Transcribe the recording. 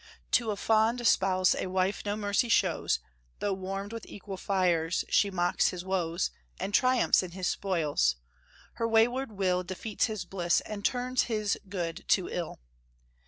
To a fond spouse a wife no mercy shows; Though warmed with equal fires, she mocks his woes, And triumphs in his spoils; her wayward will Defeats his bliss and turns his good to ill.